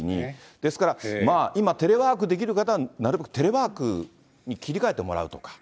ですから、まあ、今テレワークできる方は、なるべくテレワークに切り替えてもらうとか。